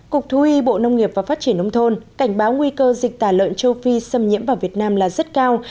cục thú y bộ nông nghiệp và phát triển nông thôn cảnh báo nguy cơ dịch tả lợn châu phi xâm nhiễm vào việt nam là rất cao